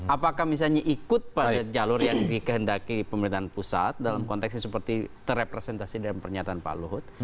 apakah misalnya ikut pada jalur yang dikehendaki pemerintahan pusat dalam konteks seperti terrepresentasi dalam pernyataan pak luhut